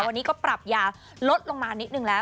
วันนี้ก็ปรับยาลดลงมานิดนึงแล้ว